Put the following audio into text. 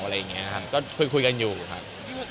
อะไรอย่างนี้ครับก็คุยกันอยู่ครับ